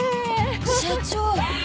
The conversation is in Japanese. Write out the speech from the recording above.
社長！？